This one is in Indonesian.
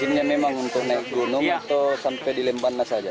ini memang untuk naik gunung atau sampai di lembana saja